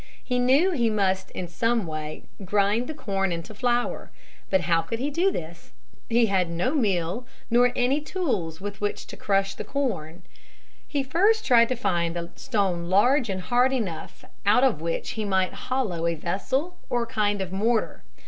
He knew he must in some way grind the corn into flour, but how could he do this? He had no mill nor any tools with which to crush the corn. He first tried to find a stone large and hard enough out of which he might hollow a vessel or kind of mortar.